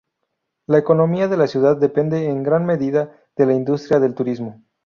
La economía de la ciudad depende en gran medida de la industria del turismo.